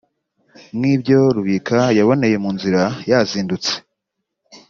nk’ibyo Rubika yaboneye mu nzira yazindutse